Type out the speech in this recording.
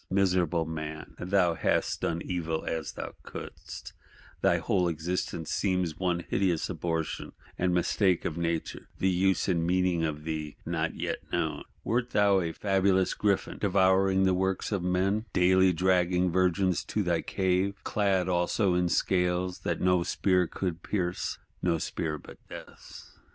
Miserable man! thou "hast done evil as thou couldst:" thy whole existence seems one hideous abortion and mistake of Nature; the use and meaning of thee not yet known. Wert thou a fabulous Griffin, devouring the works of men; daily dragging virgins to thy cave;—clad also in scales that no spear would pierce: no spear but Death's?